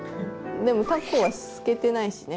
でもタコは透けてないしね。